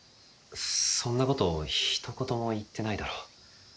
そんなことひとことも言ってないだろう。